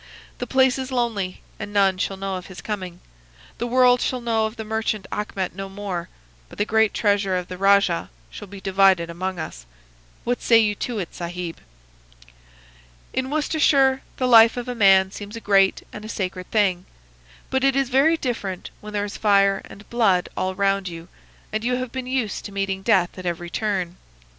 The place is lonely, and none shall know of his coming. The world shall know of the merchant Achmet no more, but the great treasure of the rajah shall be divided among us. What say you to it, Sahib?' "In Worcestershire the life of a man seems a great and a sacred thing; but it is very different when there is fire and blood all round you and you have been used to meeting death at every turn.